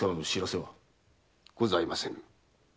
ございませぬ。